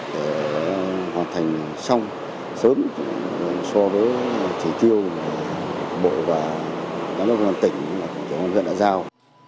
và hoàn thành xong sớm so với chỉ tiêu của bộ và các ngân tỉnh của công dân đã giao